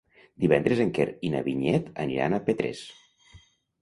Divendres en Quer i na Vinyet aniran a Petrés.